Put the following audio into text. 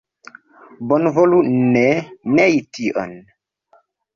Bonvolu ne nei tion.